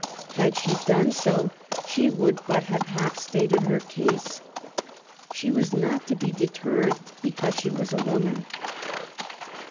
Had she done so, she would but have half stated her case. She was not to be deterred be cause she was a woman.